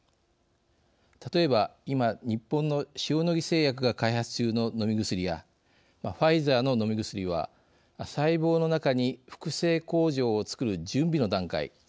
例えば今日本の塩野義製薬が開発中の飲み薬やファイザーの飲み薬は細胞の中に複製工場を作る準備の段階